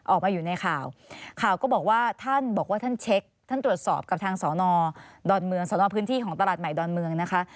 ออกมาอยู่ในข่าวข่าวก็บอกว่าท่านบอกว่าท่านเช็คท่านตรวจสอบกับทางสอนอดอนเมืองสนพื้นที่ของตลาดใหม่ดอนเมืองนะคะ